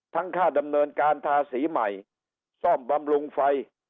ค่าดำเนินการทาสีใหม่ซ่อมบำรุงไฟ